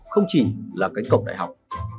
không chỉ là cánh cổng đại học